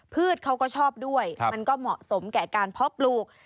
เขาก็ชอบด้วยมันก็เหมาะสมแก่การเพาะปลูก